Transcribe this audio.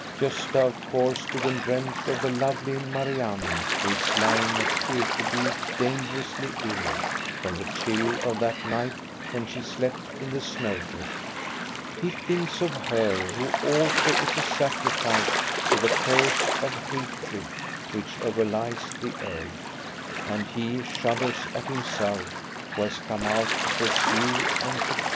Gosta of course stood and dreamed of the lovely Marianne, who is lying at Ekeby dangerously ill, from the chill of that night when she slept in the snow drift. He thinks of her, who also is a sacrifice to the curse of hatred which overlies the earth, and he shudders at himself, who has come out to pursue and to kill.